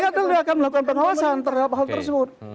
ya itu dia akan melakukan pengawasan terhadap hal tersebut